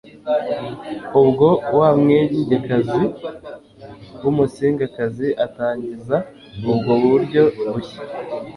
ubwo wa mwengekazi w'umusingakazi atangiza ubwo buryo bushya,